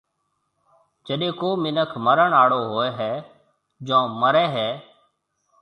جڏي ڪو مِنک مرڻ آݪو ھووَي ھيََََ جون مرَي ھيََََ۔